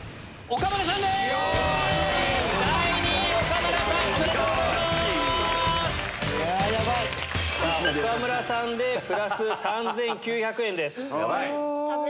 岡村さんでプラス３９００円です。